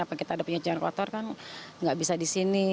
apa kita ada punya jalan kotor kan nggak bisa di sini